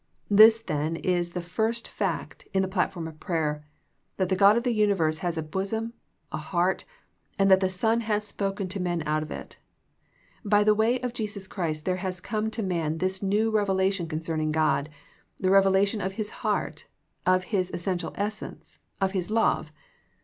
This then is the first fact in the platform of prayer, that the God of the universe has a bosom, a heart, and that the Son has spoken to men out of it. By the way of Jesus Christ there has come to man this new revelation concerning God, the revelation of His heart, of His essential essence, of His love.